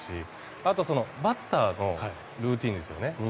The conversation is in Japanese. あと、バッターのルーチンですよね。